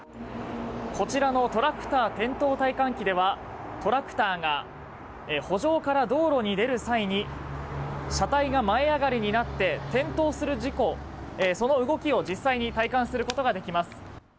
こちらのトラクター転倒体感機ではトラクターが圃場から道路に出る際に車体が前上がりになって転倒する事故その動きを実際に体感することができます。